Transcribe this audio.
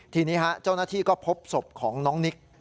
ทีนี้เจ้าหน้าที่ก็พบศพของน้องนิก